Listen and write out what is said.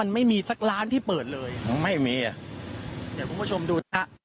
ไม่มีสักร้านที่เปิดเลยไม่มีอ่ะเดี๋ยวคุณผู้ชมดูนะฮะ